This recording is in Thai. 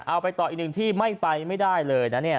เอาไปต่ออีกหนึ่งที่ไม่ไปไม่ได้เลยนะเนี่ย